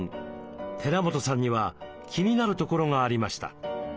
寺本さんには気になるところがありました。